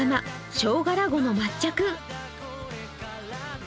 ショウガラゴの抹茶君。